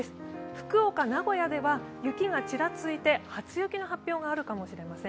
福岡、名古屋では雪がちらついて、初雪の発表があるかもしれません。